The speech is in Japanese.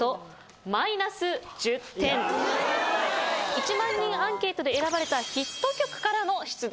１万人アンケートで選ばれたヒット曲からの出題となります。